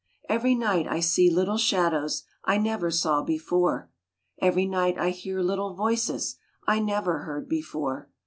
Every night I see little shadows I never saw before. Every night I hear little voices I never heard before.